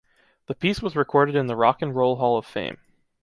The piece was recorded in the Rock and Roll Hall of Fame.